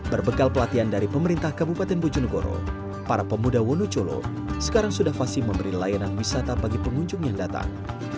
berbekal pelatihan dari pemerintah kabupaten bojonegoro para pemuda wonocolo sekarang sudah fasi memberi layanan wisata bagi pengunjung yang datang